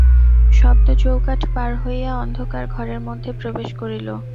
শব্দ চৌকাঠ পার হইয়া অন্ধকার ঘরের মধ্যে প্রবেশ করিল।